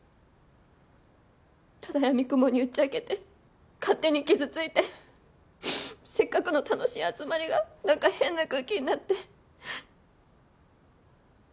ただやみくもに打ち明けて勝手に傷ついてせっかくの楽しい集まりがなんか変な空気になって。